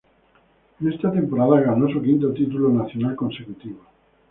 En esta temporada ganó su quinto título nacional consecutivo.